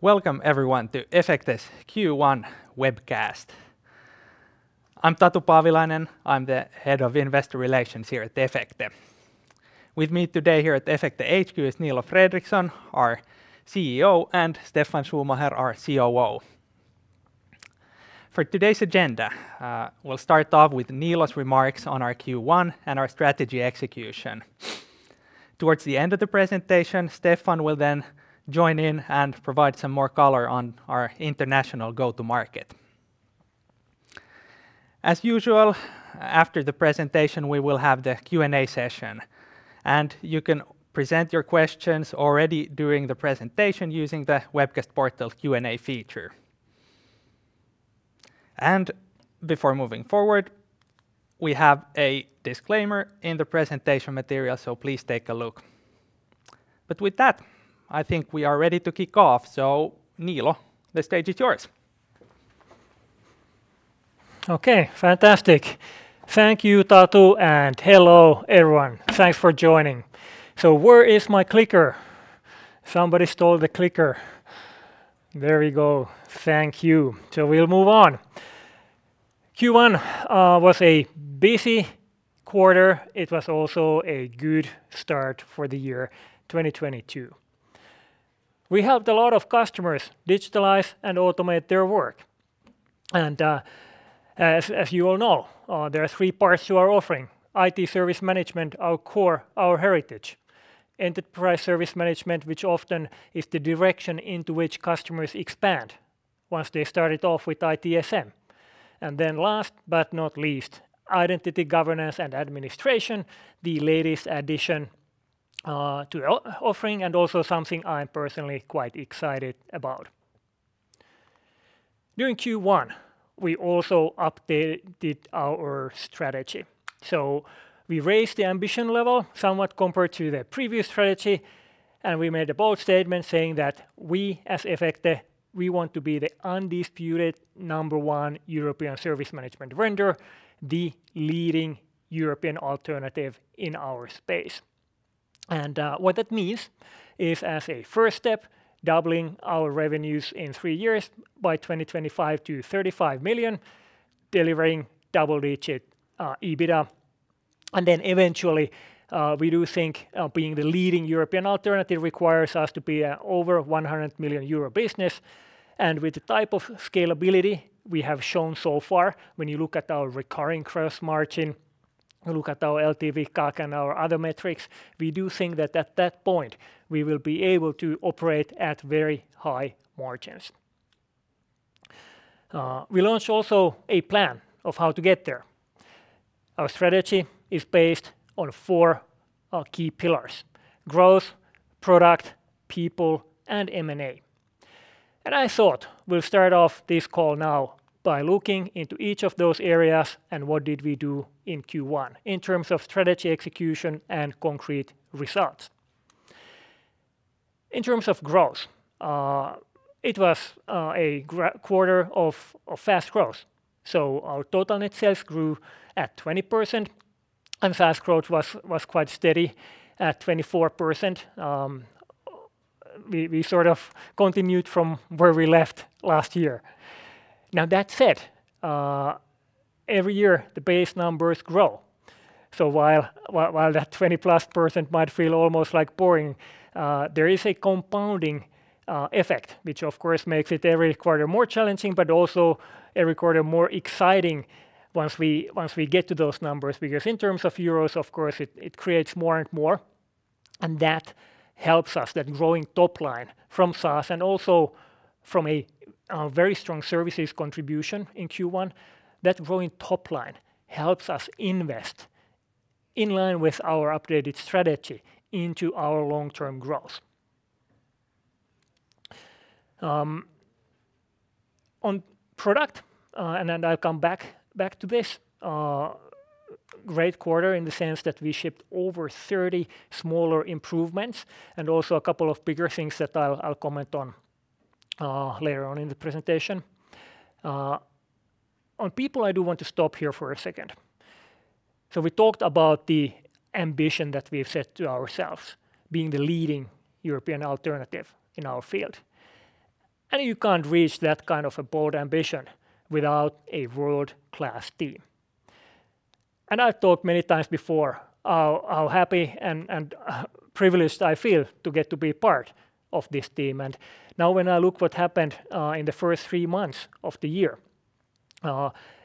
Welcome everyone to Efecte's Q1 webcast. I'm Tatu Paavilainen. I'm the head of investor relations here at Efecte. With me today here at Efecte HQ is Niilo Fredrikson, our CEO, and Stefan Schumacher, our COO. For today's agenda, we'll start off with Niilo's remarks on our Q1 and our strategy execution. Towards the end of the presentation, Stefan will then join in and provide some more color on our international go-to-market. As usual, after the presentation, we will have the Q&A session, and you can present your questions already during the presentation using the webcast portal Q&A feature. Before moving forward, we have a disclaimer in the presentation material, so please take a look. With that, I think we are ready to kick off. Niilo, the stage is yours. Okay, fantastic. Thank you, Tatu, and hello everyone. Thanks for joining. Where is my clicker? Somebody stole the clicker. There we go. Thank you. We'll move on. Q1 was a busy quarter. It was also a good start for the year 2022. We helped a lot of customers digitalize and automate their work. As you all know, there are three parts to our offering. IT service management, our core, our heritage. Enterprise Service Management, which often is the direction into which customers expand once they started off with ITSM. And then last but not least, Identity Governance and Administration, the latest addition to our offering and also something I am personally quite excited about. During Q1, we also updated our strategy. We raised the ambition level somewhat compared to the previous strategy, and we made a bold statement saying that we as Efecte, we want to be the undisputed number one European service management vendor, the leading European alternative in our space. What that means is, as a first step, doubling our revenues in three years by 2025 to 35 million, delivering double-digit EBITDA. We do think being the leading European alternative requires us to be a over 100 million euro business. With the type of scalability we have shown so far, when you look at our recurring gross margin, look at our LTV/CAC and our other metrics, we do think that at that point, we will be able to operate at very high margins. We launched also a plan of how to get there. Our strategy is based on four key pillars: growth, product, people, and M&A. I thought we'll start off this call now by looking into each of those areas and what did we do in Q1 in terms of strategy execution and concrete results. In terms of growth, it was a quarter of fast growth. Our total net sales grew at 20% and fast growth was quite steady at 24%. We sort of continued from where we left last year. Now that said, every year the base numbers grow. While that 20+% might feel almost like boring, there is a compounding effect, which of course makes it every quarter more challenging, but also every quarter more exciting once we get to those numbers. Because in terms of euros, of course it creates more and more, and that helps us, that growing top line from SaaS and also from a very strong services contribution in Q1. That growing top line helps us invest in line with our updated strategy into our long-term growth. On product, and then I'll come back to this. Great quarter in the sense that we shipped over 30 smaller improvements and also a couple of bigger things that I'll comment on later on in the presentation. On people, I do want to stop here for a second. We talked about the ambition that we've set to ourselves, being the leading European alternative in our field. You can't reach that kind of a bold ambition without a world-class team. I've talked many times before how happy and privileged I feel to get to be part of this team. Now when I look what happened in the first three months of the year,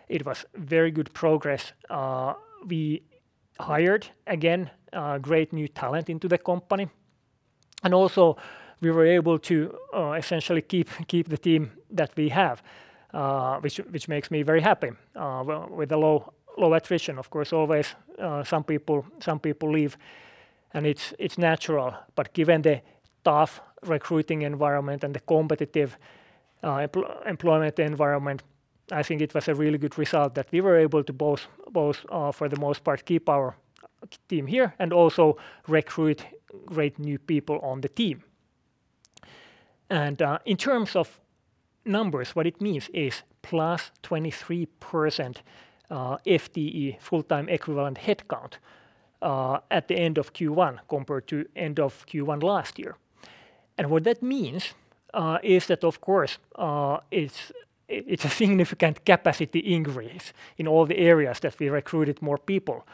it was very good progress. We hired again great new talent into the company. Also we were able to essentially keep the team that we have, which makes me very happy. With the low attrition, of course always some people leave and it's natural. Given the tough recruiting environment and the competitive employment environment, I think it was a really good result that we were able to both for the most part keep our team here and also recruit great new people on the team. In terms of numbers, what it means is plus 23% FTE, full-time equivalent headcount, at the end of Q1 compared to end of Q1 last year. What that means is that of course, it's a significant capacity increase in all the areas that we recruited more people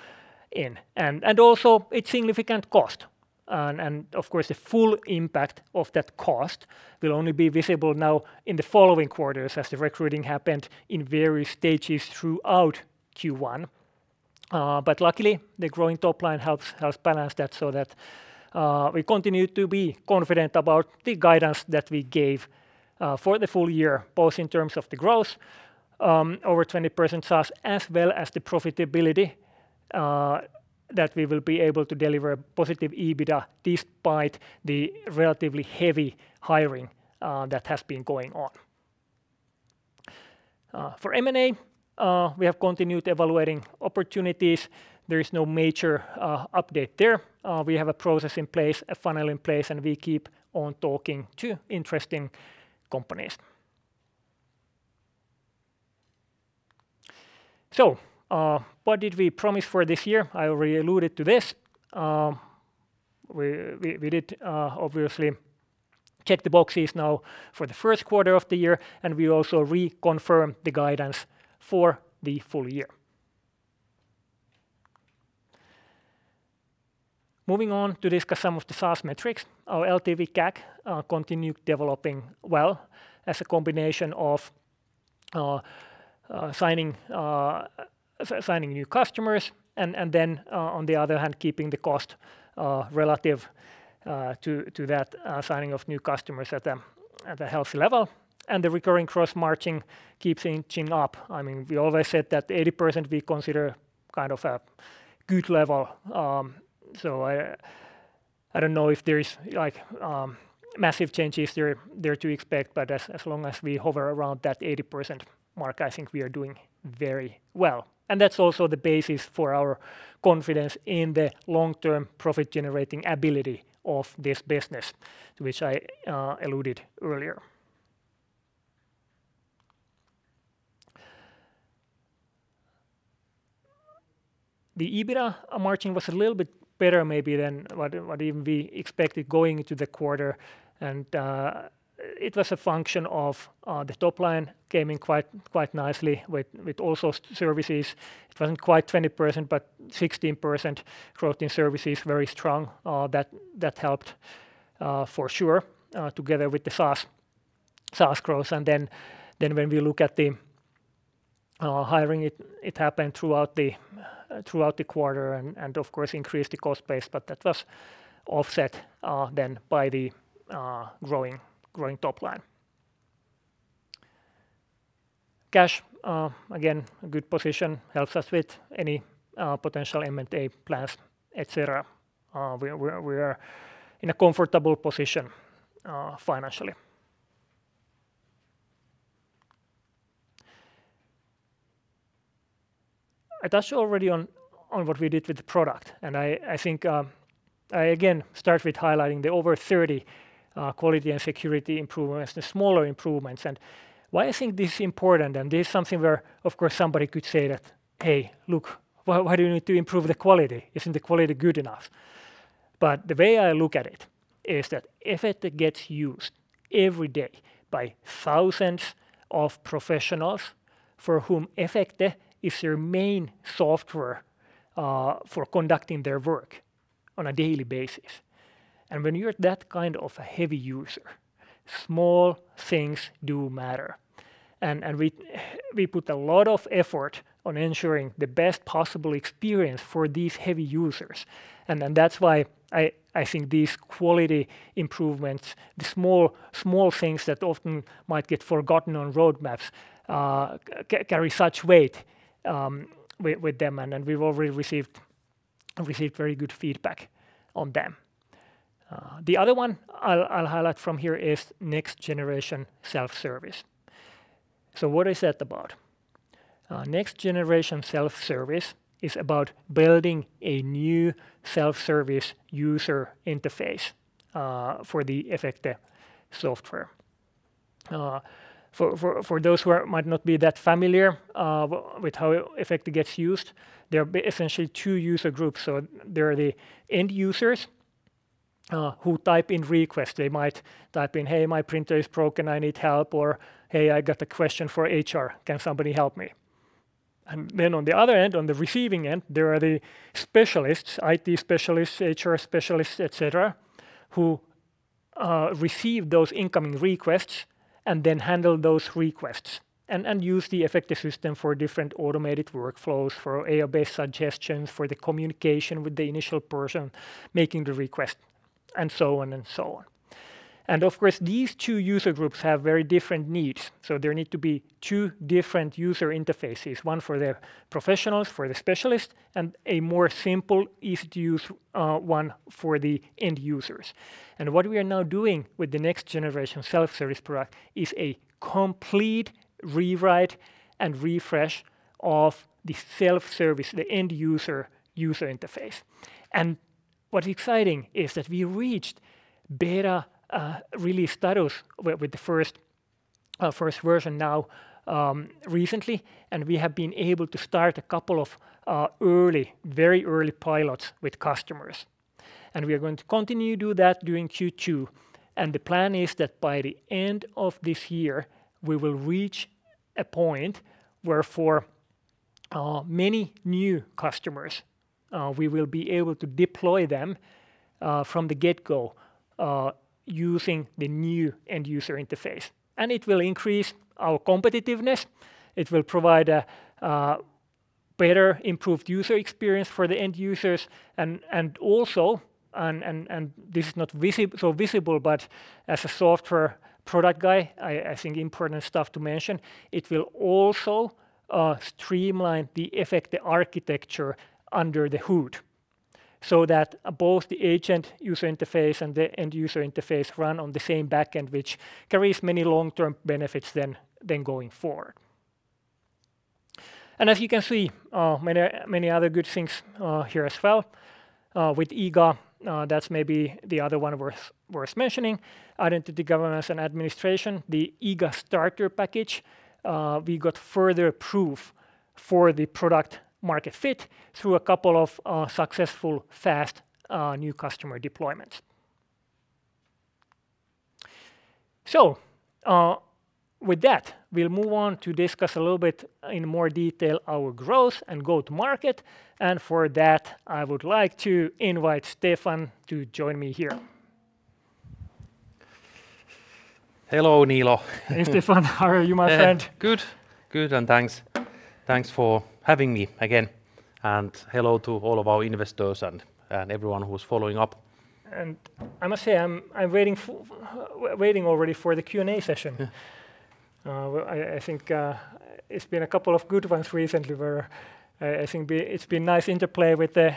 in and also a significant cost. Of course, the full impact of that cost will only be visible now in the following quarters as the recruiting happened in various stages throughout Q1. Luckily, the growing top line helps balance that so that we continue to be confident about the guidance that we gave for the full year, both in terms of the growth over 20% SaaS as well as the profitability that we will be able to deliver positive EBITDA despite the relatively heavy hiring that has been going on. For M&A, we have continued evaluating opportunities. There is no major update there. We have a process in place, a funnel in place, and we keep on talking to interesting companies. What did we promise for this year? I already alluded to this. We did obviously check the boxes now for the first quarter of the year, and we also reconfirm the guidance for the full year. Moving on to discuss some of the SaaS metrics. Our LTV/CAC continued developing well as a combination of signing new customers and then on the other hand keeping the cost relative to that signing of new customers at a healthy level. The recurring gross margin keeps inching up. I mean, we always said that 80% we consider kind of a good level. I don't know if there is like massive changes there to expect, but as long as we hover around that 80% mark, I think we are doing very well. That's also the basis for our confidence in the long-term profit-generating ability of this business, which I alluded earlier. The EBITDA margin was a little bit better maybe than what even we expected going into the quarter. It was a function of the top line came in quite nicely with also services. It wasn't quite 20%, but 16% growth in services, very strong. That helped for sure together with the SaaS growth. Then when we look at the hiring, it happened throughout the quarter and of course increased the cost base, but that was offset then by the growing top line. Cash again a good position helps us with any potential M&A plans, et cetera. We are in a comfortable position financially. I touched already on what we did with the product, and I think, I again start with highlighting the over 30 quality and security improvements, the smaller improvements. Why I think this is important, and this is something where of course somebody could say that, "Hey, look, why do you need to improve the quality? Isn't the quality good enough?" But the way I look at it is that Efecte gets used every day by thousands of professionals for whom Efecte is their main software, for conducting their work on a daily basis. When you're that kind of a heavy user, small things do matter. We put a lot of effort on ensuring the best possible experience for these heavy users. That's why I think these quality improvements, the small things that often might get forgotten on roadmaps, carry such weight with them and we've already received very good feedback on them. The other one I'll highlight from here is next-generation self-service. What is that about? Next-generation self-service is about building a new self-service user interface for the Efecte software. For those who might not be that familiar with how Efecte gets used, there are essentially two user groups. There are the end users who type in requests. They might type in, "Hey, my printer is broken, I need help," or, "Hey, I got a question for HR. Can somebody help me?" Then on the other end, on the receiving end, there are the specialists, IT specialists, HR specialists, et cetera, who receive those incoming requests and then handle those requests and use the Efecte system for different automated workflows, for AI-based suggestions, for the communication with the initial person making the request, and so on. Of course, these two user groups have very different needs, so there need to be two different user interfaces, one for the professionals, for the specialists, and a more simple, easy-to-use one for the end users. What we are now doing with the next-generation self-service product is a complete rewrite and refresh of the self-service, the end user user interface. What's exciting is that we reached beta release status with the first version now, recently, and we have been able to start a couple of early, very early pilots with customers. We are going to continue to do that during Q2. The plan is that by the end of this year, we will reach a point where for many new customers, we will be able to deploy them from the get-go using the new end-user interface. It will increase our competitiveness. It will provide a better improved user experience for the end users and also this is not so visible but as a software product guy I think important stuff to mention, it will also streamline the Efecte architecture under the hood so that both the agent user interface and the end user interface run on the same back-end which carries many long-term benefits, then going forward. As you can see, many other good things here as well. With IGA, that's maybe the other one worth mentioning. Identity Governance and Administration, the IGA starter package, we got further proof for the product market fit through a couple of successful fast new customer deployments. With that we'll move on to discuss a little bit in more detail our growth and go-to-market and for that I would like to invite Stefan to join me here. Hello, Niilo. Hey, Stefan. How are you, my friend? Good. Thanks. Thanks for having me again and hello to all of our investors and everyone who's following up. I must say I'm waiting already for the Q&A session. Yeah. I think it's been a couple of good ones recently where I think it's been nice interplay with the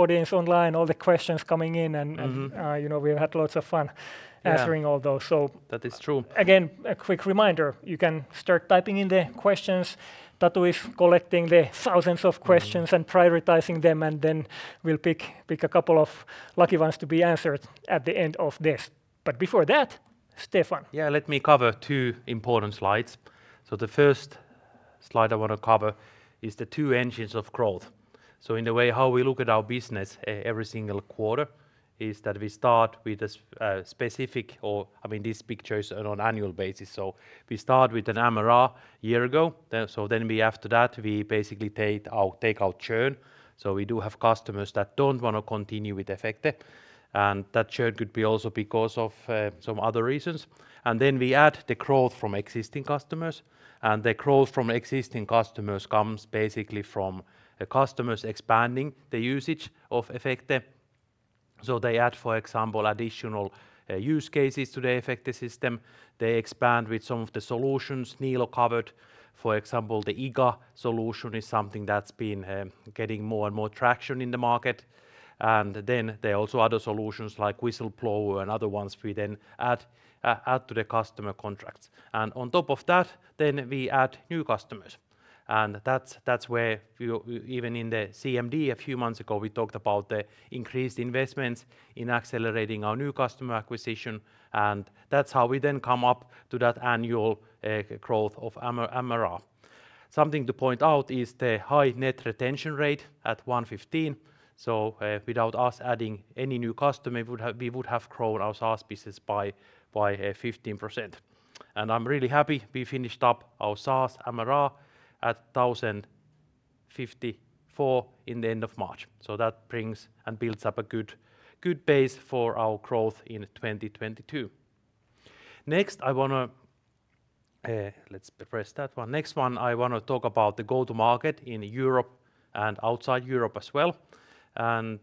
audience online, all the questions coming in. Mm-hmm You know, we've had lots of fun. Yeah answering all those. That is true.... again, a quick reminder, you can start typing in the questions. Tatu is collecting the thousands of questions. Mm-hmm prioritizing them and then we'll pick a couple of lucky ones to be answered at the end of this. Before that, Stefan. Yeah, let me cover two important slides. The first slide I want to cover is the two engines of growth. In the way how we look at our business every single quarter is that we start with, I mean, this picture is on an annual basis, so we start with an MRR year ago. After that, we basically take our churn. We do have customers that don't want to continue with Efecte and that churn could be also because of some other reasons. We add the growth from existing customers and the growth from existing customers comes basically from the customers expanding the usage of Efecte. They add for example additional use cases to the Efecte system. They expand with some of the solutions Niilo covered. For example the IGA solution is something that's been getting more and more traction in the market. There are also other solutions like Whistleblower and other ones we then add to the customer contracts. On top of that then we add new customers and that's where we even in the CMD a few months ago we talked about the increased investments in accelerating our new customer acquisition and that's how we then come up to that annual growth of MRR. Something to point out is the high net retention rate at 115% so without us adding any new customer we would have grown our SaaS business by 15%. I'm really happy we finished up our SaaS MRR at 1,054 in the end of March so that brings and builds up a good base for our growth in 2022. Next one I want to talk about the go-to-market in Europe and outside Europe as well and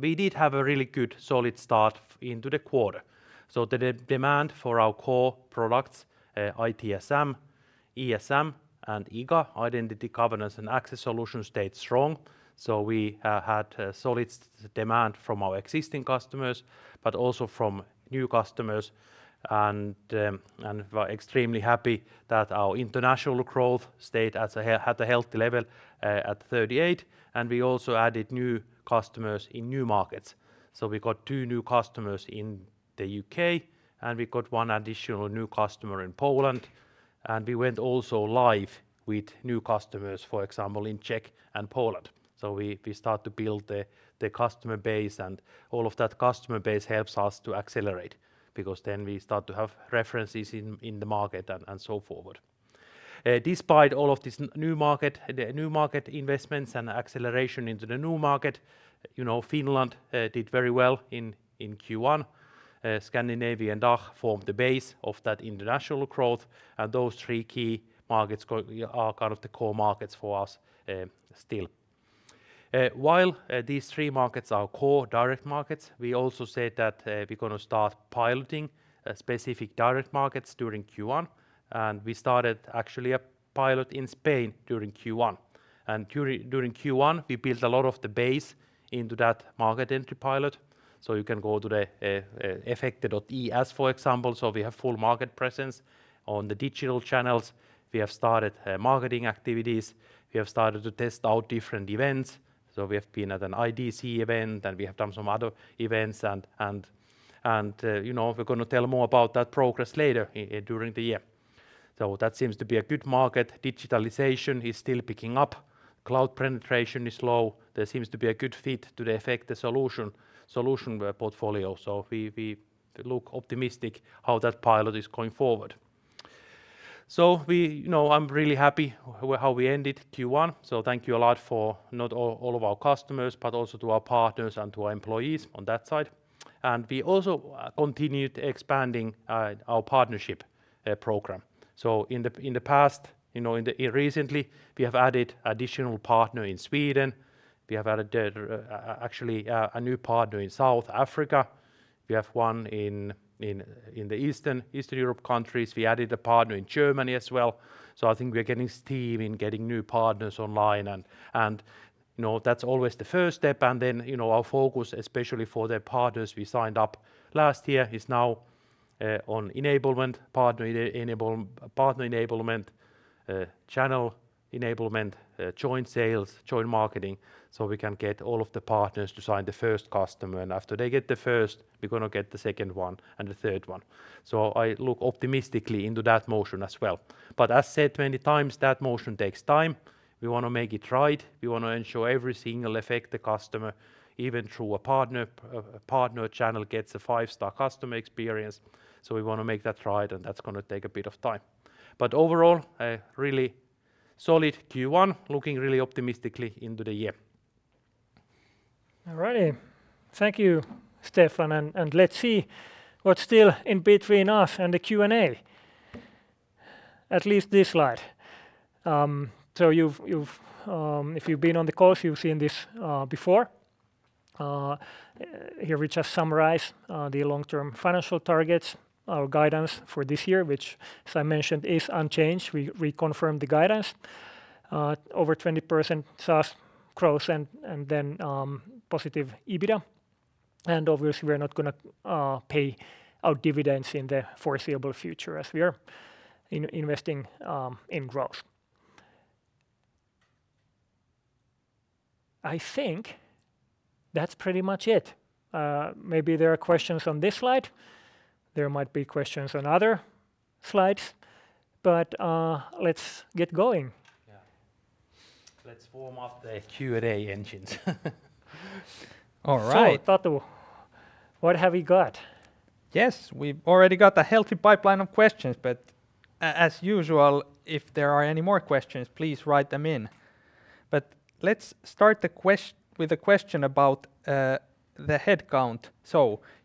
we did have a really good solid start into the quarter. The demand for our core products, ITSM, ESM, and IGA, Identity Governance and Administration solution, stayed strong so we had solid demand from our existing customers but also from new customers and we're extremely happy that our international growth stayed at a healthy level, at 38% and we also added new customers in new markets. We got two new customers in the U.K. and we got one additional new customer in Poland and we went also live with new customers for example in Czech and Poland. We start to build the customer base and all of that customer base helps us to accelerate because then we start to have references in the market and so forth. Despite all of this new market, the new market investments and acceleration into the new market you know Finland did very well in Q1. Scandinavia and DACH formed the base of that international growth and those three key markets are kind of the core markets for us still. While these three markets are core direct markets we also said that we're going to start piloting specific direct markets during Q1 and we started actually a pilot in Spain during Q1. During Q1 we built a lot of the base into that market entry pilot. You can go to the Efecte.com, for example. We have full market presence on the digital channels. We have started marketing activities. We have started to test out different events. We have been at an IDC event, and we have done some other events. You know, we're going to tell more about that progress later during the year. That seems to be a good market. Digitalization is still picking up. Cloud penetration is low. There seems to be a good fit to the Efecte solution portfolio. We look optimistic how that pilot is going forward. You know, I'm really happy with how we ended Q1, so thank you a lot, not only to all of our customers, but also to our partners and to our employees on that side. We also continued expanding our partnership program. Recently, we have added an additional partner in Sweden. We have added actually a new partner in South Africa. We have one in the Eastern Europe countries. We added a partner in Germany as well. I think we're gaining steam in getting new partners online and, you know, that's always the first step. You know, our focus, especially for the partners we signed up last year, is now on enablement, partner enablement, channel enablement, joint sales, joint marketing, so we can get all of the partners to sign the first customer. After they get the first, we're going to get the second one and the third one. I look optimistically into that motion as well. As said many times, that motion takes time. We want to make it right. We want to ensure every single Efecte customer, even through a partner, a partner channel, gets a five-star customer experience, so we want to make that right, and that's going to take a bit of time. Overall, a really solid Q1. Looking really optimistically into the year. All right. Thank you, Stefan, and let's see what's still in between us and the Q&A. At least this slide. So if you've been on the calls, you've seen this before. Here we just summarize the long-term financial targets, our guidance for this year, which, as I mentioned, is unchanged. We reconfirm the guidance, over 20% SaaS growth and then positive EBITDA. Obviously we're not going to pay out dividends in the foreseeable future as we are investing in growth. I think that's pretty much it. Maybe there are questions on this slide. There might be questions on other slides, but let's get going. Yeah. Let's warm up the Q&A engines. All right. Tatu, what have we got? Yes. We've already got a healthy pipeline of questions, as usual, if there are any more questions, please write them in. Let's start with a question about the headcount.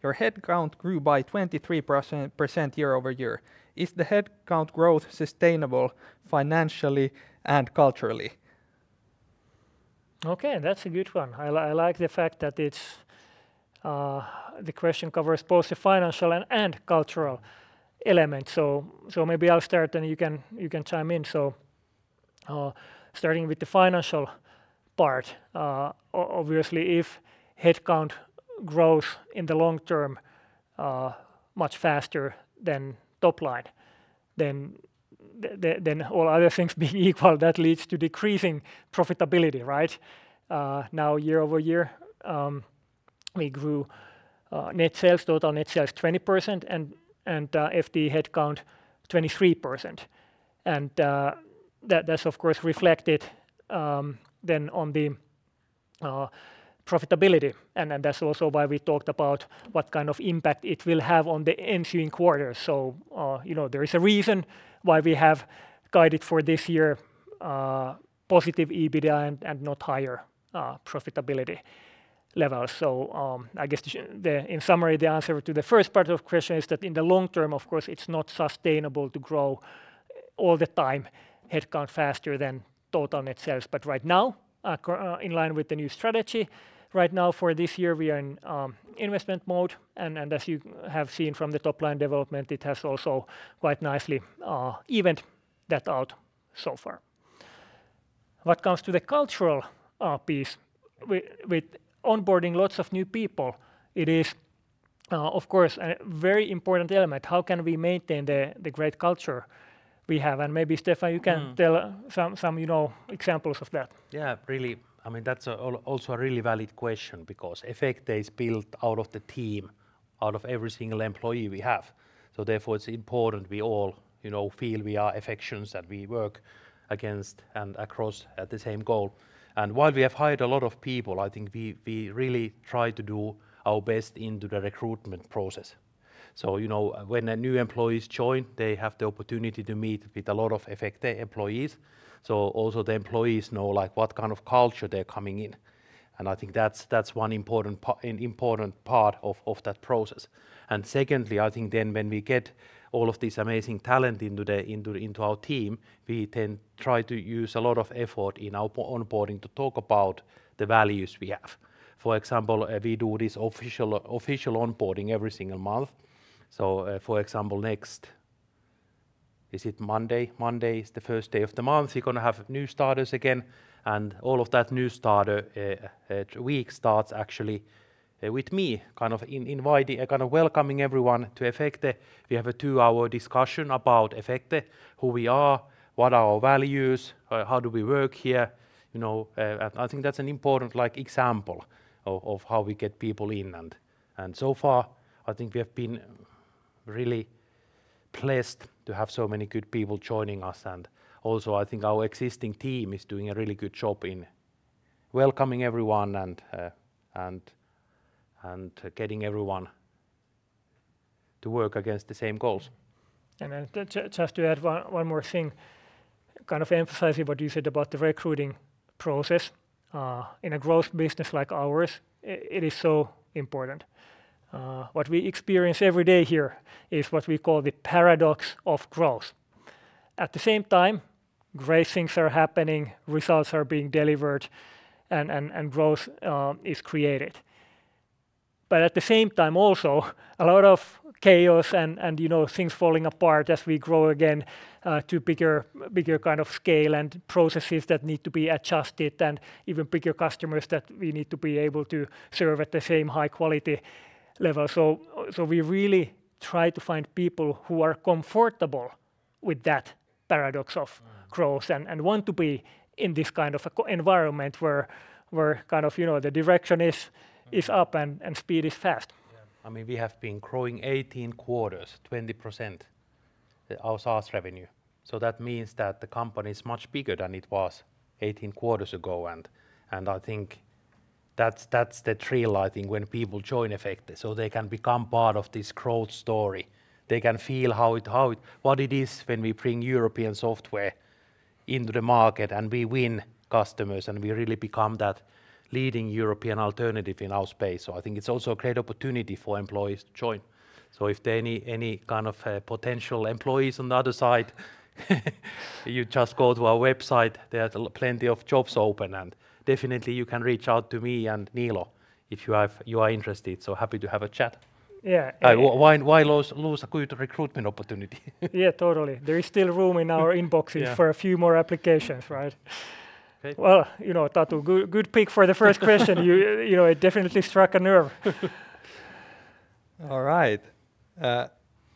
Your headcount grew by 23% year-over-year. Is the headcount growth sustainable financially and culturally? Okay, that's a good one. I like the fact that it's the question covers both the financial and cultural elements. Maybe I'll start, and you can chime in. Starting with the financial part, obviously if headcount grows in the long term, much faster than top line, then all other things being equal, that leads to decreasing profitability, right? Now year-over-year, we grew net sales, total net sales 20% and FTE headcount 23%. That's, of course, reflected then on the profitability. That's also why we talked about what kind of impact it will have on the ensuing quarters. You know, there is a reason why we have guided for this year positive EBITDA and not higher profitability levels. I guess in summary, the answer to the first part of question is that in the long term, of course, it's not sustainable to grow all the time headcount faster than total net sales. Right now, in line with the new strategy, right now for this year we are in investment mode, and as you have seen from the top-line development, it has also quite nicely evened that out so far. What comes to the cultural piece, with onboarding lots of new people, it is, of course, a very important element. How can we maintain the great culture we have? Maybe Stefan- Mm You can tell some, you know, examples of that. Yeah. Really, I mean, that's also a really valid question because Efecte is built out of the team, out of every single employee we have. Therefore, it's important we all, you know, feel we are Efectians and we work against and across at the same goal. While we have hired a lot of people, I think we really try to do our best into the recruitment process. You know, when the new employees join, they have the opportunity to meet with a lot of Efecte employees, so also the employees know, like, what kind of culture they're coming in, and I think that's one important part of that process. Secondly, I think then when we get all of this amazing talent into our team, we then try to use a lot of effort in our onboarding to talk about the values we have. For example, we do this official onboarding every single month. Is it Monday? Monday is the first day of the month. We're going to have new starters again, and all of that new starter week starts actually with me kind of inviting kind of welcoming everyone to Efecte. We have a two-hour discussion about Efecte, who we are, what are our values, how do we work here, you know. I think that's an important like example of how we get people in. So far, I think we have been really blessed to have so many good people joining us. Also, I think our existing team is doing a really good job in welcoming everyone and getting everyone to work against the same goals. Just to add one more thing, kind of emphasizing what you said about the recruiting process. In a growth business like ours, it is so important. What we experience every day here is what we call the paradox of growth. At the same time, great things are happening, results are being delivered, and growth is created. At the same time also, a lot of chaos and, you know, things falling apart as we grow again, to bigger kind of scale and processes that need to be adjusted and even bigger customers that we need to be able to serve at the same high quality level. We really try to find people who are comfortable with that paradox of- Mm Growth and want to be in this kind of a environment where kind of, you know, the direction is up and speed is fast. Yeah. I mean, we have been growing 18 quarters, 20% our SaaS revenue, so that means that the company's much bigger than it was 18 quarters ago. I think that's the thrill, I think, when people join Efecte, so they can become part of this growth story. They can feel what it is when we bring European software into the market, and we win customers, and we really become that leading European alternative in our space. I think it's also a great opportunity for employees to join. If there any kind of potential employees on the other side, you just go to our website. There are plenty of jobs open, and definitely you can reach out to me and Niilo if you are interested. Happy to have a chat. Yeah. Why lose a good recruitment opportunity? Yeah, totally. There is still room in our inboxes. Yeah for a few more applications, right? Okay. Well, you know, Tatu, good pick for the first question. You know, it definitely struck a nerve. All right.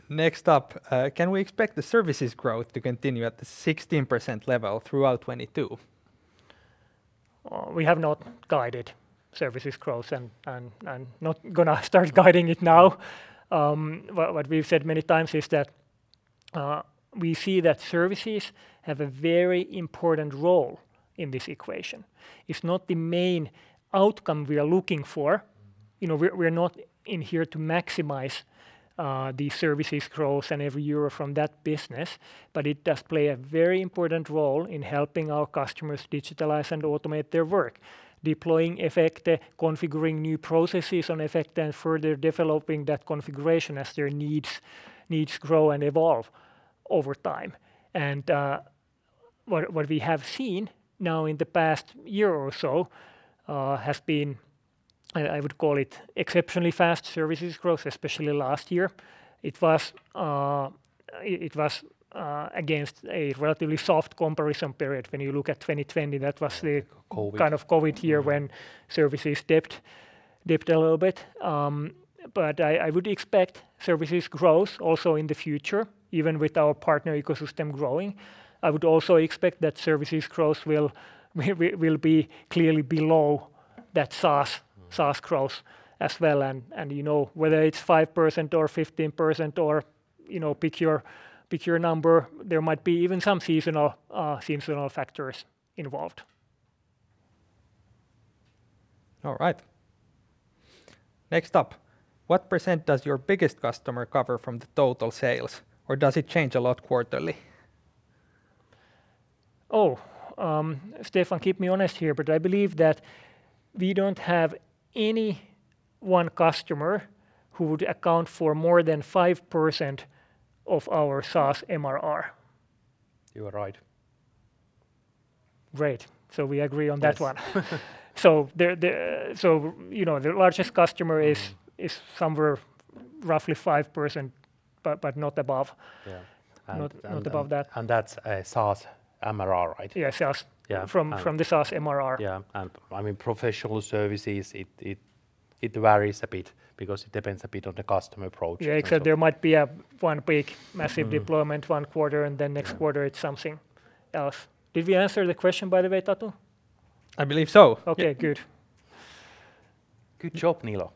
Next up, can we expect the services growth to continue at the 16% level throughout 2022? We have not guided services growth and not going to start guiding it now. What we've said many times is that we see that services have a very important role in this equation. It's not the main outcome we are looking for. Mm. You know, we're not in here to maximize the services growth and every euro from that business, but it does play a very important role in helping our customers digitalize and automate their work. Deploying Efecte, configuring new processes on Efecte, and further developing that configuration as their needs grow and evolve over time. What we have seen now in the past year or so has been. I would call it exceptionally fast services growth, especially last year. It was against a relatively soft comparison period. When you look at 2020, that was the COVID Kind of COVID year when services dipped a little bit. But I would expect services growth also in the future, even with our partner ecosystem growing. I would also expect that services growth will be clearly below that SaaS growth as well. You know, whether it's 5% or 15% or, you know, pick your number, there might be even some seasonal factors involved. All right. Next up, what % does your biggest customer cover from the total sales, or does it change a lot quarterly? Stefan, keep me honest here, but I believe that we don't have any one customer who would account for more than 5% of our SaaS MRR. You are right. Great. We agree on that one. Yes. You know, the largest customer is. Mm is somewhere roughly 5% but not above. Yeah. Not above that. That's SaaS MRR, right? Yeah, SaaS. Yeah. From the SaaS MRR. Yeah. I mean, professional services, it varies a bit because it depends a bit on the customer approach as well. Yeah. There might be one big massive deployment. Mm one quarter, and then next quarter. Yeah It's something else. Did we answer the question, by the way, Tatu? I believe so. Okay, good. Good job, Niilo.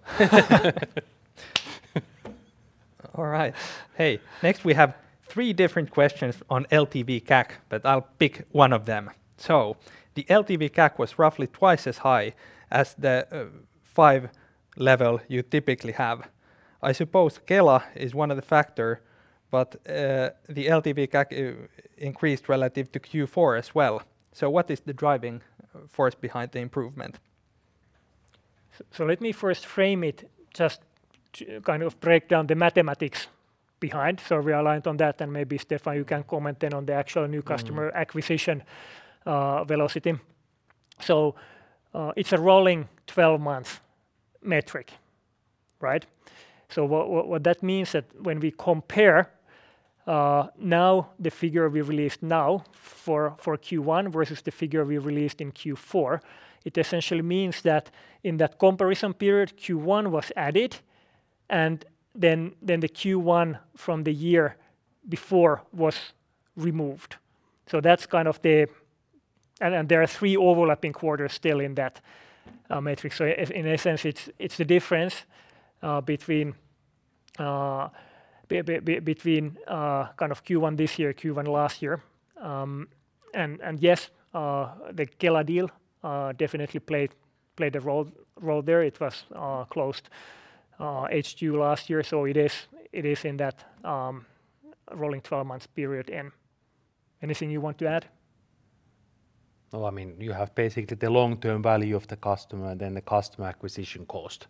All right. Hey, next we have three different questions on LTV/CAC, but I'll pick one of them. The LTV/CAC was roughly twice as high as the five level you typically have. I suppose Kela is one of the factor, but the LTV/CAC increased relative to Q4 as well. What is the driving force behind the improvement? Let me first frame it, just kind of break down the mathematics behind. We are aligned on that, and maybe Stefan, you can comment then on the actual new customer- Mm acquisition velocity. It's a rolling 12-month metric. Right. What that means that when we compare now the figure we released now for Q1 versus the figure we released in Q4, it essentially means that in that comparison period, Q1 was added, and then the Q1 from the year before was removed. That's kind of the. There are three overlapping quarters still in that metrics. In a sense, it's the difference between kind of Q1 this year, Q1 last year. Yes, the Kela deal definitely played a role there. It was closed H2 last year, so it is in that rolling 12 months period. Anything you want to add? No, I mean, you have basically the long-term value of the customer, then the customer acquisition cost.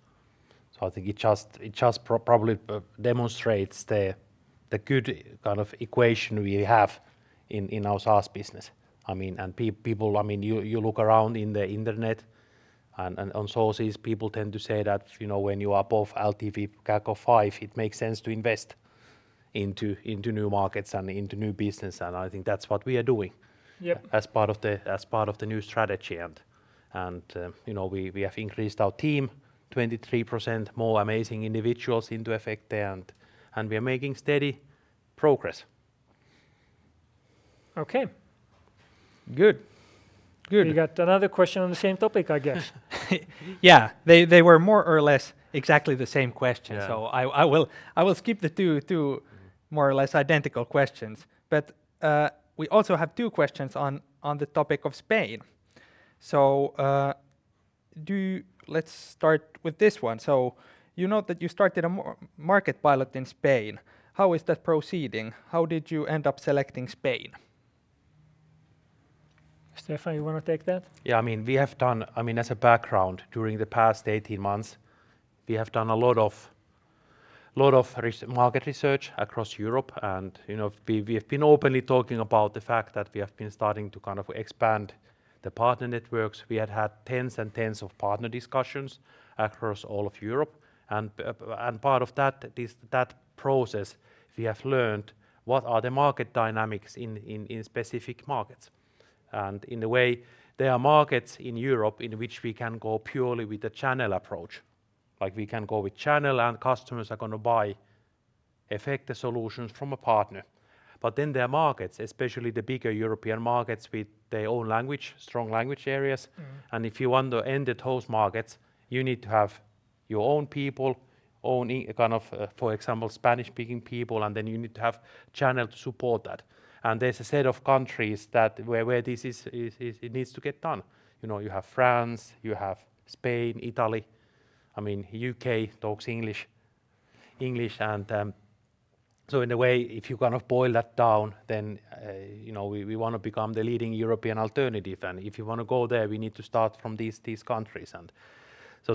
I think it just probably demonstrates the good kind of equation we have in our SaaS business. I mean, people, I mean, you look around in the internet and on sources, people tend to say that, you know, when you are above LTV/CAC of five, it makes sense to invest into new markets and into new business, and I think that's what we are doing. Yep as part of the new strategy. You know, we have increased our team 23% more amazing individuals into Efecte, and we are making steady progress. Okay. Good. We got another question on the same topic, I guess. Yeah. They were more or less exactly the same question. Yeah. I will skip the two more or less identical questions. We also have two questions on the topic of Spain. Let's start with this one. You note that you started a market pilot in Spain. How is that proceeding? How did you end up selecting Spain? Stefan, you want to take that? Yeah, I mean, we have done. I mean, as a background, during the past 18 months, we have done a lot of market research across Europe, and, you know, we have been openly talking about the fact that we have been starting to kind of expand the partner networks. We had tens and tens of partner discussions across all of Europe, and part of that process, we have learned what are the market dynamics in specific markets. In a way, there are markets in Europe in which we can go purely with the channel approach. Like, we can go with channel, and customers are going to buy Efecte solutions from a partner. But then there are markets, especially the bigger European markets with their own language, strong language areas. Mm-hmm If you want to enter those markets, you need to have your own people, own kind of, for example, Spanish-speaking people, and then you need to have channel to support that. There's a set of countries where this is, it needs to get done. You know, you have France, you have Spain, Italy. I mean, UK talks English. In a way, if you kind of boil that down, you know, we want to become the leading European alternative, and if you want to go there, we need to start from these countries.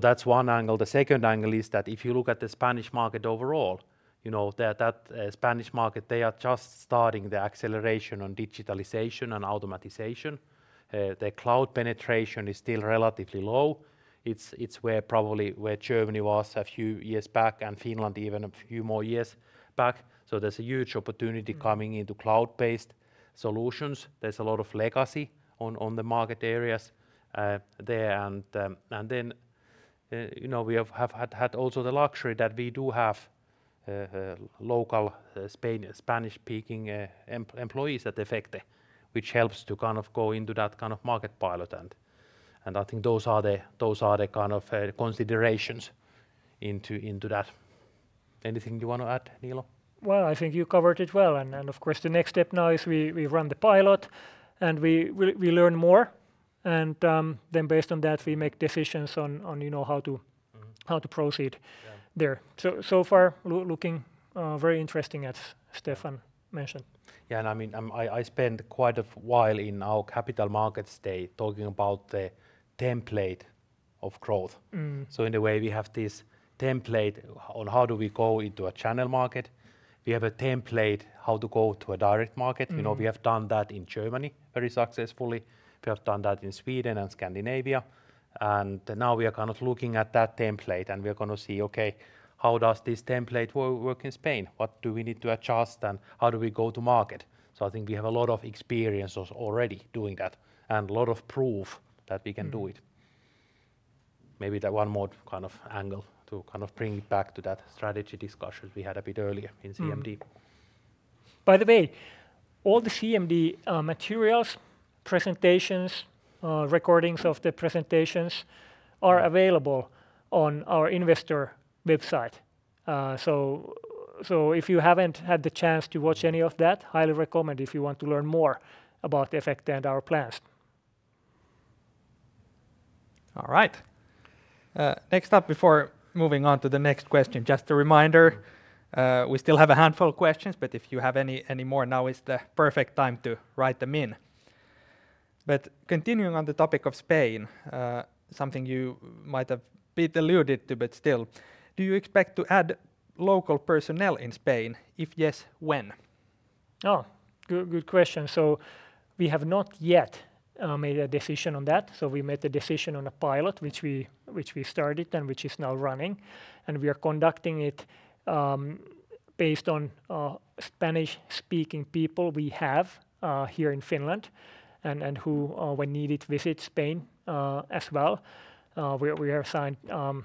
That's one angle. The second angle is that if you look at the Spanish market overall, you know, the Spanish market, they are just starting the acceleration on digitalization and automation. Their cloud penetration is still relatively low. It's where probably Germany was a few years back, and Finland even a few more years back. There's a huge opportunity coming into cloud-based solutions. There's a lot of legacy on the market areas there. You know, we have had also the luxury that we do have local Spanish-speaking employees at Efecte, which helps to kind of go into that kind of market pilot. I think those are the kind of considerations into that. Anything you want to add, Niilo? Well, I think you covered it well. Of course, the next step now is we run the pilot, and we learn more. Based on that, we make decisions on, you know, how to- Mm-hmm how to proceed. Yeah there. So far, looking very interesting as Stefan mentioned. Yeah, I mean, I spent quite a while in our Capital Markets Day talking about the template of growth. Mm. In a way, we have this template on how do we go into a channel market. We have a template how to go to a direct market. Mm. You know, we have done that in Germany very successfully. We have done that in Sweden and Scandinavia. Now we are kind of looking at that template, and we're going to see, okay, how does this template work in Spain? What do we need to adjust, and how do we go to market? I think we have a lot of experience as already doing that, and a lot of proof that we can do it. Mm. Maybe the one more kind of angle to kind of bring back to that strategy discussions we had a bit earlier in CMD. By the way, all the CMD materials, presentations, recordings of the presentations are available on our investor website. If you haven't had the chance to watch any of that, highly recommend if you want to learn more about Efecte and our plans. All right. Next up before moving on to the next question, just a reminder, we still have a handful of questions, but if you have any more, now is the perfect time to write them in. Continuing on the topic of Spain, something you might have a bit alluded to, but still, do you expect to add local personnel in Spain? If yes, when? Oh, good question. We have not yet made a decision on that. We made a decision on a pilot, which we started and which is now running, and we are conducting it based on Spanish-speaking people we have here in Finland and who, when needed, visit Spain as well. We assigned a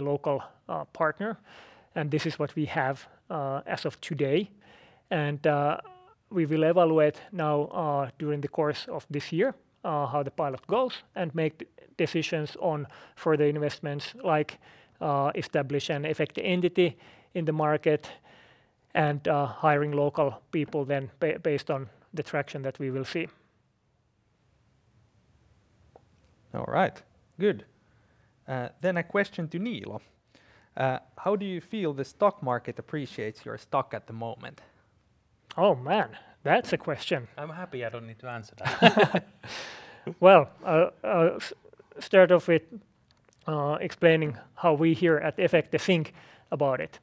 local partner, and this is what we have as of today. We will evaluate now during the course of this year how the pilot goes and make decisions on further investments like establish an Efecte entity in the market and hiring local people then based on the traction that we will see. All right. Good. A question to Niilo. How do you feel the stock market appreciates your stock at the moment? Oh, man, that's a question. I'm happy I don't need to answer that. I'll start off with explaining how we here at Efecte think about it.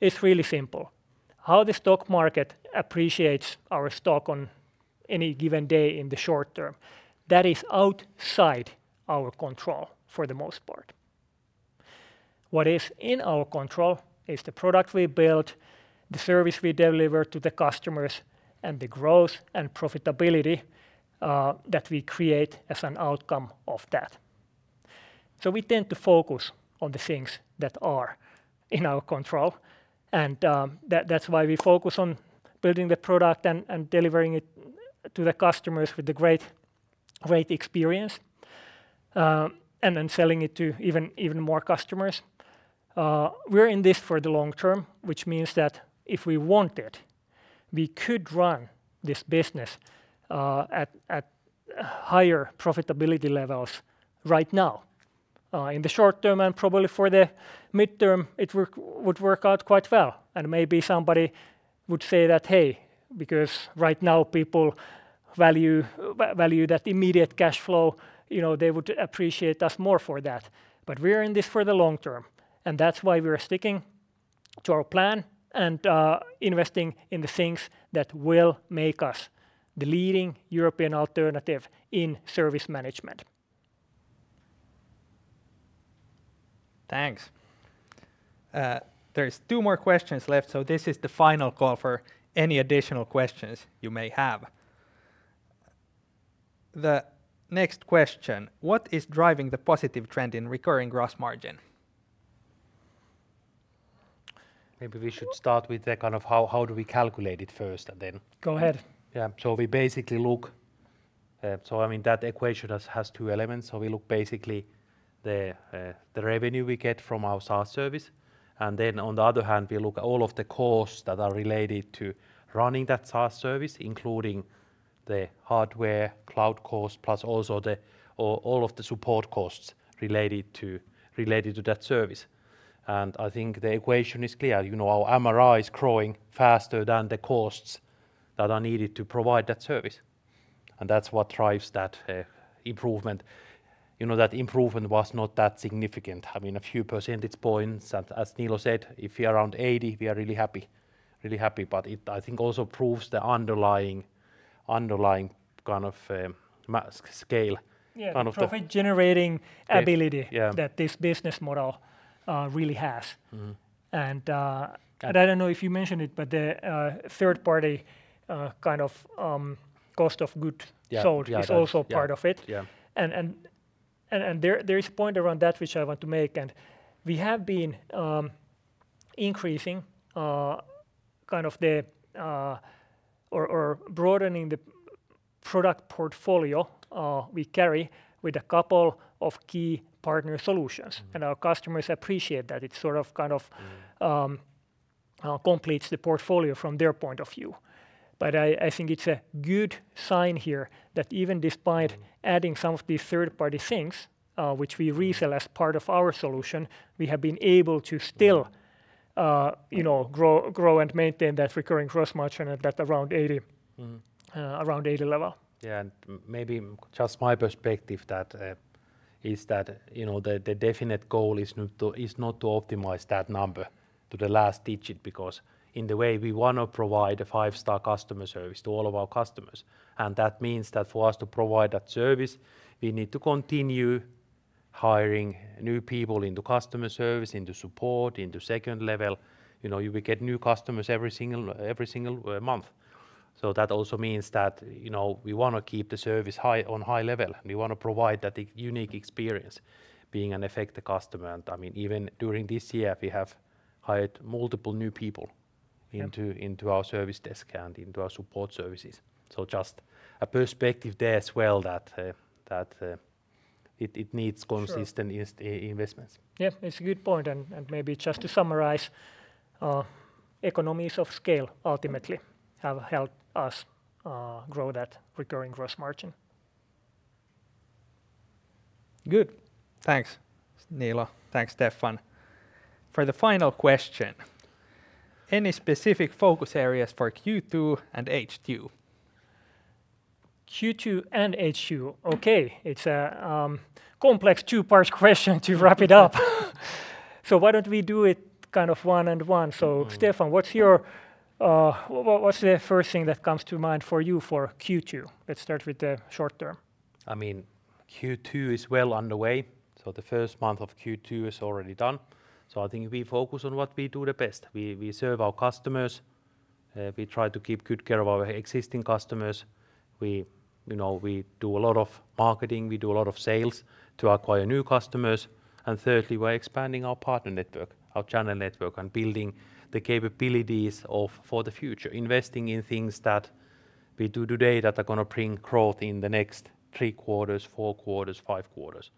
It's really simple. How the stock market appreciates our stock on any given day in the short term, that is outside our control for the most part. What is in our control is the product we build, the service we deliver to the customers, and the growth and profitability that we create as an outcome of that. We tend to focus on the things that are in our control, and that's why we focus on building the product and delivering it to the customers with a great experience, and then selling it to even more customers. We're in this for the long term, which means that if we wanted, we could run this business at higher profitability levels right now. In the short term and probably for the midterm, it would work out quite well, and maybe somebody would say that, "Hey," because right now people value that immediate cash flow, you know, they would appreciate us more for that. We're in this for the long term, and that's why we're sticking to our plan and investing in the things that will make us the leading European alternative in service management. Thanks. There is two more questions left, so this is the final call for any additional questions you may have. The next question: What is driving the positive trend in recurring gross margin? Maybe we should start with how do we calculate it first, and then. Go ahead. We basically look. I mean, that equation has two elements. We look basically the revenue we get from our SaaS service, and then on the other hand, we look all of the costs that are related to running that SaaS service, including the hardware, cloud cost, plus also all of the support costs related to that service. I think the equation is clear. You know, our MRR is growing faster than the costs that are needed to provide that service, and that's what drives that improvement. You know, that improvement was not that significant. I mean, a few percentage points that, as Niilo said, if we're around 80%, we are really happy. Really happy. It, I think, also proves the underlying kind of scale. Yeah... kind of the- Profit-generating ability. Yeah that this business model, really has. Mm-hmm. And, uh- And- I don't know if you mentioned it, but the third-party kind of cost of goods. Yeah. Yeah sold is also part of it. Yeah. There is a point around that which I want to make, and we have been increasing kind of the or broadening the product portfolio we carry with a couple of key partner solutions. Mm-hmm. Our customers appreciate that. It sort of, kind of, completes the portfolio from their point of view. I think it's a good sign here that even despite adding some of these third-party things, which we resell as part of our solution, we have been able to still, Mm-hmm you know, grow and maintain that recurring gross margin at that around 80% Mm-hmm Around 80 level. Yeah. Maybe just my perspective is that, you know, the definite goal is not to optimize that number to the last digit because in the way we want to provide a five-star customer service to all of our customers, and that means that for us to provide that service, we need to continue hiring new people into customer service, into support, into second level. You know, you will get new customers every single month. That also means that, you know, we want to keep the service high, on high level. We want to provide that unique experience being an Efecte customer. I mean, even during this year, we have hired multiple new people. Yep into our service desk and into our support services. Just a perspective there as well that it needs consistent. Sure Yes, the investments. Yeah. It's a good point. Maybe just to summarize, economies of scale ultimately have helped us grow that recurring gross margin. Good. Thanks, Niilo. Thanks, Stefan. For the final question: Any specific focus areas for Q2 and H2? Q2 and H2. Okay. It's a complex two-part question to wrap it up. Why don't we do it kind of one and one? Mm-hmm. Stefan, what's the first thing that comes to mind for you for Q2? Let's start with the short term. I mean, Q2 is well underway, so the first month of Q2 is already done. I think we focus on what we do the best. We serve our customers. We try to keep good care of our existing customers. We, you know, we do a lot of marketing. We do a lot of sales to acquire new customers. Thirdly, we're expanding our partner network, our channel network, and building the capabilities of, for the future. Investing in things that we do today that are going to bring growth in the next 3 quarters, 4 quarters, 5 quarters.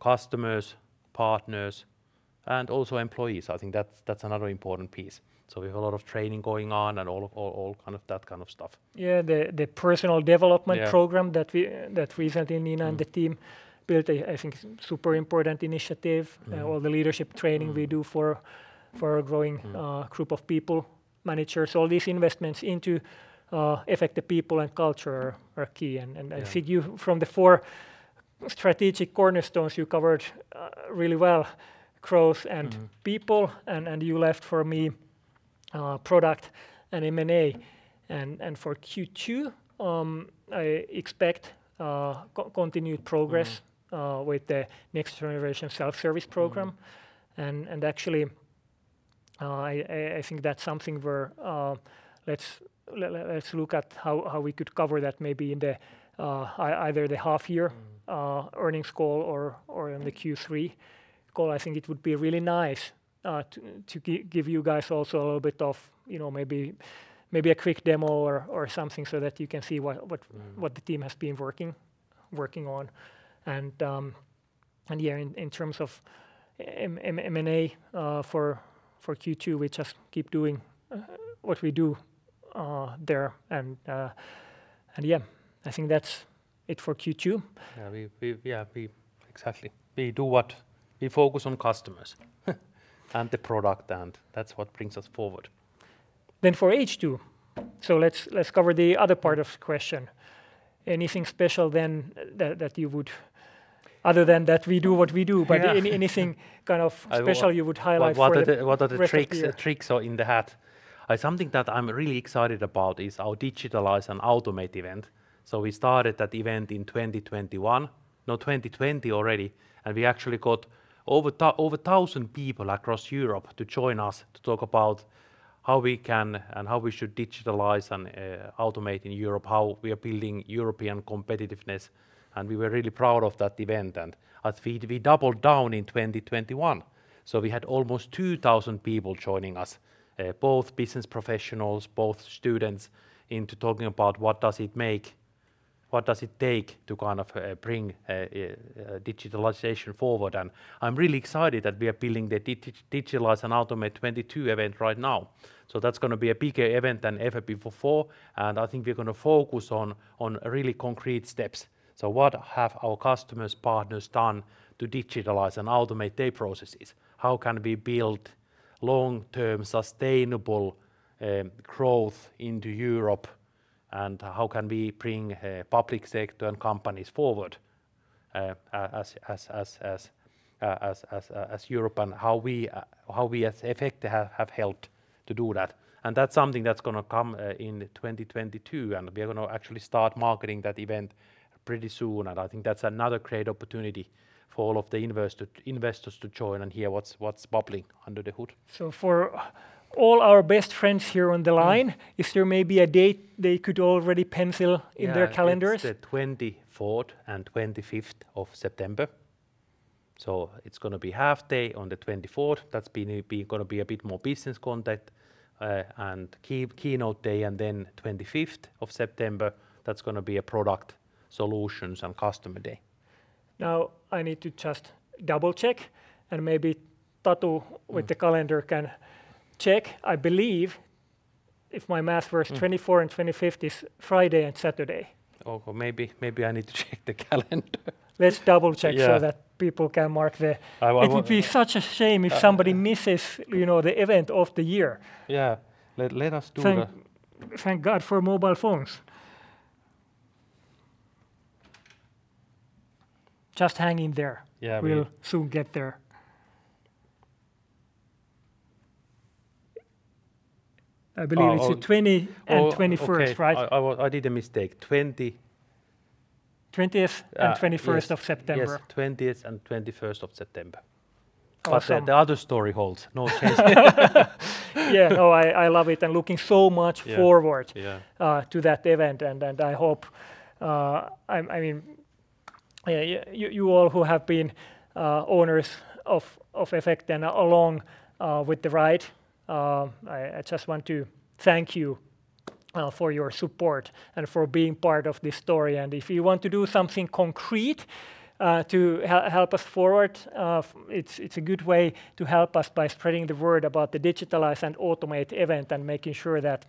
Customers, partners, and also employees. I think that's another important piece. We have a lot of training going on and all of all kind of that kind of stuff. Yeah. The personal development program. Yeah that recently Nina and the team built, I think super important initiative. Yeah. All the leadership training we do for our growing Mm group of people, managers. All these investments into Efecte people and culture are key. Yeah... I see you've covered the four strategic cornerstones really well. Growth and- Mm... people. You left for me product and M&A. For Q2, I expect continued progress. Mm with the next-generation self-service program. Mm. Actually, I think that's something where, let's look at how we could cover that maybe in the either the half year- Mm earnings call or in the Q3 call. I think it would be really nice to give you guys also a little bit of, you know, maybe a quick demo or something so that you can see what Mm What the team has been working on. Yeah, in terms of M&A for Q2, we just keep doing what we do there. Yeah, I think that's it for Q2. Yeah. Exactly. We do what? We focus on customers and the product, and that's what brings us forward. For H2, let's cover the other part of question. Anything special then that you would? Other than that, we do what we do. Yeah. Anything kind of special you would highlight for the rest of the year? Like, what are the tricks or in the hat? Something that I'm really excited about is our Digitalize and Automate event. We started that event in 2021. No, 2020 already. We actually got over 1,000 people across Europe to join us to talk about how we can and how we should digitalize and automate in Europe, how we are building European competitiveness, and we were really proud of that event. We doubled down in 2021, so we had almost 2,000 people joining us, both business professionals, both students, into talking about what does it take to kind of bring digitalization forward. I'm really excited that we are building the Digitalize and Automate 2022 event right now. That's going to be a bigger event than ever before. I think we're going to focus on really concrete steps. What have our customers, partners done to digitalize and automate their processes? How can we build long-term sustainable growth into Europe? How can we bring public sector and companies forward as Europe? How we as Efecte have helped to do that? That's something that's going to come in 2022, and we are going to actually start marketing that event pretty soon. I think that's another great opportunity for all of the investors to join and hear what's bubbling under the hood. For all our best friends here on the line. Mm Is there maybe a date they could already pencil in their calendars? Yeah. It's the 24th and 25th of September. It's going to be half day on the 24th. That's going to be a bit more business context, and keynote day. 25th of September, that's going to be a product, solutions, and customer day. Now I need to just double-check. Mm with the calendar can check. I believe if my math works. Mm 24 and 25th is Friday and Saturday. Okay. Maybe I need to check the calendar. Let's double-check. Yeah so that people can mark their. I want- It would be such a shame if somebody misses. Yeah you know, the event of the year. Yeah. Thank God for mobile phones. Just hang in there. Yeah. We'll soon get there. I believe it's the 20- Oh. Oh, okay. 21st, right? I did a mistake. 20th and 21st of September. Yes, 20th and 21st of September. All set. The other story holds. No change there. Yeah. No. I love it. I'm looking so much forward. Yeah, yeah. to that event. I hope. I mean, yeah, you all who have been owners of Efecte along with the ride, I just want to thank you for your support and for being part of this story. If you want to do something concrete to help us forward, it's a good way to help us by spreading the word about the Digitalize and Automate event and making sure that,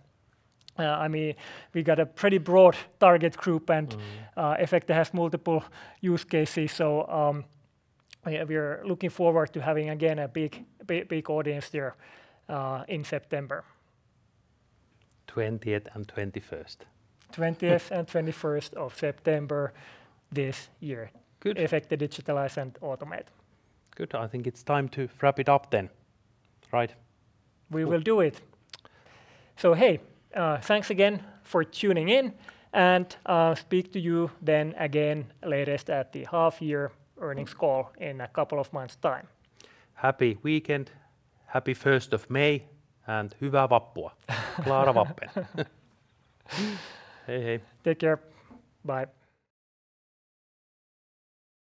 I mean, we got a pretty broad target group, and Mm Efecte has multiple use cases. We are looking forward to having again a big audience there in September. 20th and 21st. 20th and 21st of September this year. Good. Efecte Digitalize and Automate. Good. I think it's time to wrap it up then, right? We will do it. Hey, thanks again for tuning in and speak to you then again latest at the half-year earnings call in a couple of months' time. Happy weekend. Happy 1st of May, and Hey, hey. Take care. Bye.